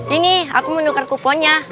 ini aku mau tukar kuponnya